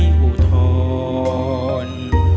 ไม่อุทธรรม